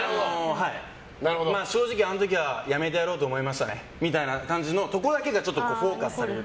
正直、あの時は辞めてやろうと思いましたねみたいなところがちょっとフォーカスされると。